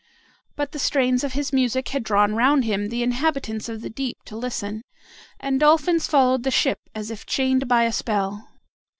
But the strains of his music had drawn round him the inhabitants of the deep to listen, and Dolphins followed the ship as if chained by a spell.